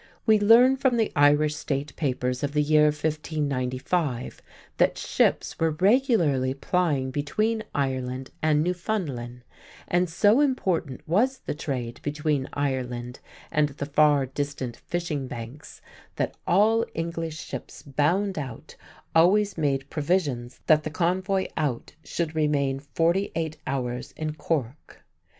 We learn from the "Irish State Papers" of the year 1595 that ships were regularly plying between Ireland and Newfoundland, and so important was the trade between Ireland and the far distant fishing banks that "all English ships bound out always made provisions that the convoy out should remain 48 hours in Cork."